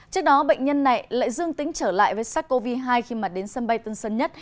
trước đó bệnh nhân này lại dương tính trở lại với sars cov hai khi mà đến sân bay tân sơn nhất